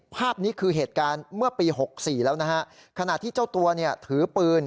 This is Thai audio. ภาพนี้คือเหตุการณ์เมื่อปีหกสี่แล้วนะฮะขณะที่เจ้าตัวเนี่ยถือปืน